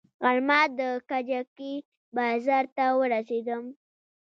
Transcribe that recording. غرمه د کجکي بازار ته ورسېدم.